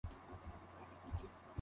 La sede del condado es Cavalier.